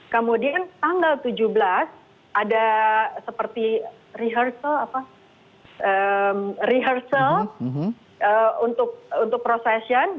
kemudian tanggal tujuh belas ada seperti rehearsal untuk procession